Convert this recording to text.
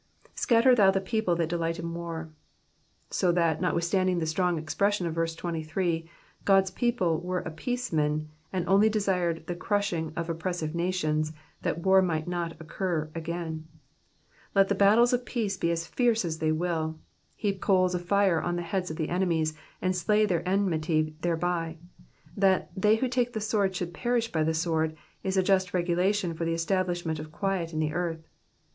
''''Scatter thou the people that delight in loor." So that, notwithstanding the strong expression of verse 23, God's 16 Digitized by VjOOQIC 22G EXPOsrnoKS of the psalms. people were peacemen, and only desired the crushing of oppressive nations, that war might not occur again. Let the battles of peace be as fierce as they will ; heap coals of fire on the heads of enemies, and slay their enmity thereby. That they who take the sword should perish by the sword/' is a just regula tion for the establishment of quiet in the earth.